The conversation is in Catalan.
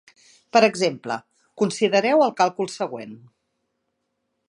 Per exemple, considereu el càlcul següent.